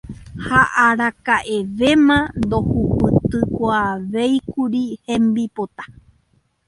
Ha araka'evéma ndohupytykuaavéikuri hembipota.